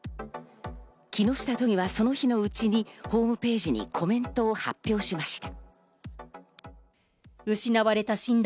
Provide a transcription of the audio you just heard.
木下都議はその日のうちにホームページにコメントを発表しました。